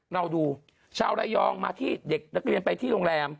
เราดูชาวระยองมาที่เด็กนักเรียนไปที่โรงแรม